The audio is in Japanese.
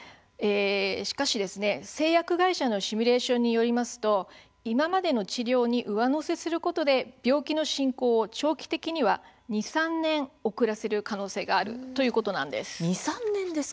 しかし、製薬会社のシミュレーションによりますと今までの治療に上乗せすることで病気の進行を長期的には２、３年、遅らせる可能性があるということなんです。